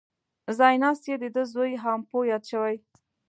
ځای ناست یې دده زوی هامپو یاد شوی.